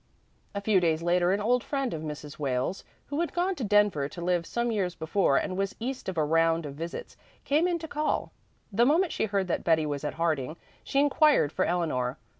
A few days later an old friend of Mrs. Wales, who had gone to Denver to live some years before and was east on a round of visits, came in to call. The moment she heard that Betty was at Harding, she inquired for Eleanor.